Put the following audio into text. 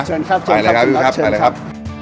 เชิญครับไปแล้วครับไปแล้วครับ